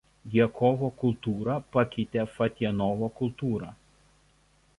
Djakovo kultūra pakeitė Fatjanovo kultūrą.